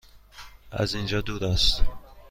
از اینجا دور است؟